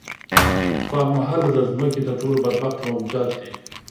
خو هم مهاله د ځمکې تر ټولو بدبخته موجودات دي.